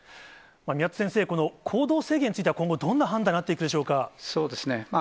宮田先生、この行動制限については、今後、どんな判断になっていそうですね。